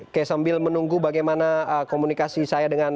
oke sambil menunggu bagaimana komunikasi saya dengan